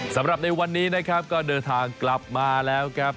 สำหรับในวันนี้นะครับก็เดินทางกลับมาแล้วครับ